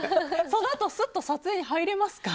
そのあと、すっと撮影に入れますか？